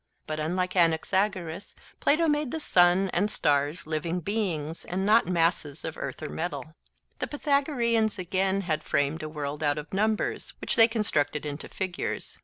But unlike Anaxagoras, Plato made the sun and stars living beings and not masses of earth or metal. The Pythagoreans again had framed a world out of numbers, which they constructed into figures.